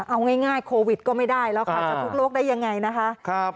เอาง่ายโควิดก็ไม่ได้แล้วค่ะจะทุกโรคได้ยังไงนะคะ